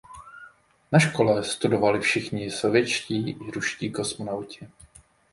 Na škole studovali všichni sovětští i ruští kosmonauti.